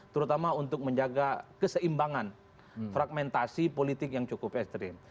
terutama untuk menjaga keseimbangan fragmentasi politik yang cukup ekstrim